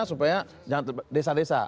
supaya jangan desa desa